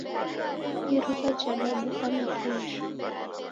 Iruwa jadabuka nakesho.